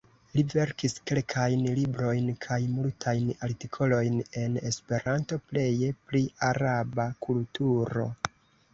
Li verkis kelkajn librojn kaj multajn artikolojn en Esperanto, pleje pri araba kulturo.